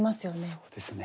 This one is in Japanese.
そうですね